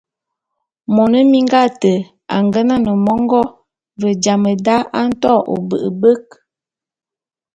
Mone minga ate a ngenan mongô, ve jam da a nto ôbe’ebek.